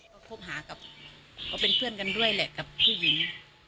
ก็คบหากับก็เป็นเพื่อนกันด้วยแหละกับผู้หญิง